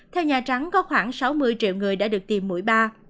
theo nhà trắng có khoảng sáu mươi triệu người đã được tìm mũi ba